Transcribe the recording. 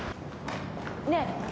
ねえ。